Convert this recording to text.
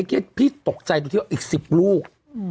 แต่พี่ตกใจดูที่อีก๑๐ลูก